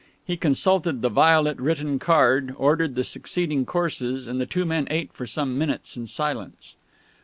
He consulted the violet written card, ordered the succeeding courses, and the two men ate for some minutes in silence.